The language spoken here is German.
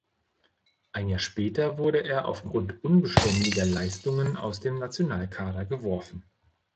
Ein Jahr später wurde er aufgrund unbeständiger Leistungen aus dem Nationalkader geworfen.